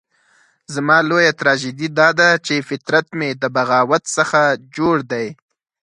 زما لويه تراژیدي داده چې فطرت مې د بغاوت څخه جوړ دی.